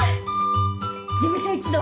事務所一同